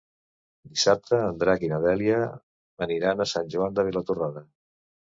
Dissabte en Drac i na Dèlia aniran a Sant Joan de Vilatorrada.